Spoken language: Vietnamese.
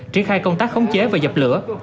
triển khai công tác khống chế và dập lửa